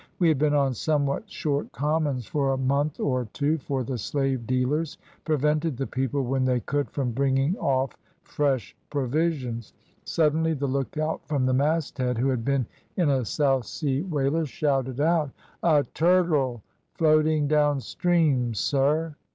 We had been on somewhat short commons for a month or two, for the slave dealers prevented the people when they could from bringing off fresh provisions. Suddenly the lookout from the masthead, who had been in a South Sea whaler, shouted out "`A turtle, floating down stream, sir.'